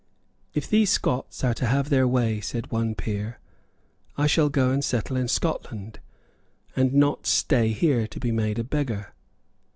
"If these Scots are to have their way," said one peer, "I shall go and settle in Scotland, and not stay here to be made a beggar."